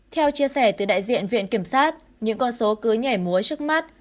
theo chia sẻ từ đại diện viện kiểm sát những con số cứ nhảy múa trước mắt